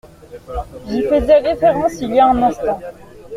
J’y faisais référence il y a un instant.